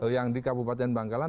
yang di kabupaten bangkalan